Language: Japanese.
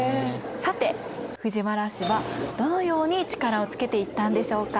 さて藤原氏はどのように力をつけていったんでしょうか。